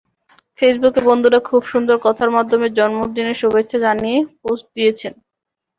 ফেসবুকে বন্ধুরা খুব সুন্দর কথার মাধ্যমে জন্মদিনের শুভেচ্ছা জানিয়ে পোস্ট দিয়েছেন।